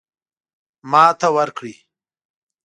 ماته ورکړي.